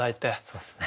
そうですね。